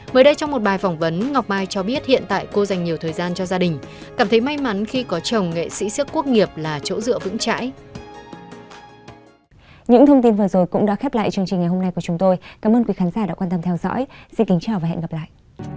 mới đây trong một bài phỏng vấn ngọc mai cho biết hiện tại cô dành nhiều thời gian cho gia đình cảm thấy may mắn khi có chồng nghệ sĩ siếc quốc nghiệp là chỗ dựa vững chãi